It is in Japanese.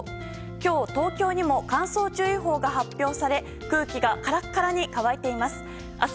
今日、東京にも乾燥注意報が発表され空気がカラカラに乾いています。